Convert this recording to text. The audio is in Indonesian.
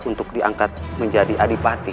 untuk diangkat menjadi adik pati